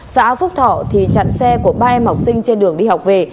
xã phúc thọ thì chặn xe của ba em học sinh trên đường đi học về